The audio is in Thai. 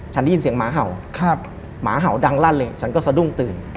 ฉันได้ยินเสียงหมาเห่าหมาเห่าดังลั่นเลยฉันก็สะดุ้งตื่น